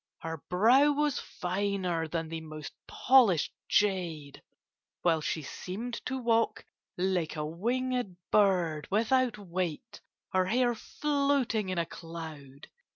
Her brow was finer than the most polished jade; while she seemed to walk, like a winged bird, without weight, her hair floating in a cloud.